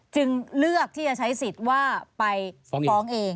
จึงเลือกที่จะใช้สิทธิ์ว่าไปฟ้องเอง